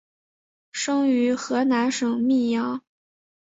生于河南省泌阳。